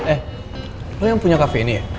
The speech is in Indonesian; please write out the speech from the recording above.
eh lo yang punya kafe ini ya